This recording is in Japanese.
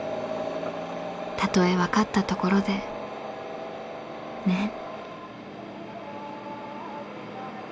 たとえわかったところでねえ。